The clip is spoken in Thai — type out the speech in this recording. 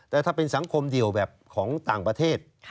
แต่ถ้าเป็นสังคมเดี่ยวแบบของต่างประเทศ